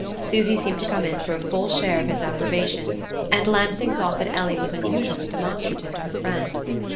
Susy seemed to come in for a full share of his approbation, and Lansing thought that Ellie was unusually demonstrative to her friend.